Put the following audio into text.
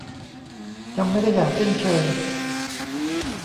จำไม่ได้อย่างสิ้นเชิง